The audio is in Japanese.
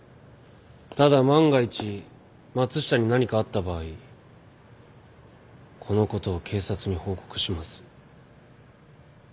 ただ万が一松下に何かあった場合このことを警察に報告します。